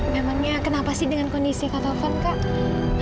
memangnya kenapa sih dengan kondisi kata van kak